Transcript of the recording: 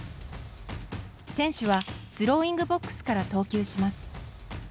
選手はスローイングボックスから投球します。